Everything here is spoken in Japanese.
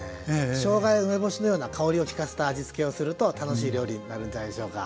しょうがや梅干しのような香りを効かせた味つけをすると楽しい料理になるんじゃないでしょうか。